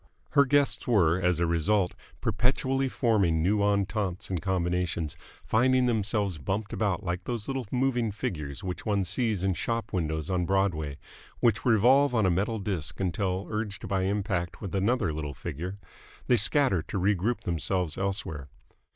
Her guests were as a result perpetually forming new ententes and combinations, finding themselves bumped about like those little moving figures which one sees in shop windows on Broadway, which revolve on a metal disc until, urged by impact with another little figure, they scatter to regroup themselves elsewhere.